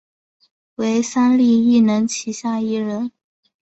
为三立艺能旗下艺人。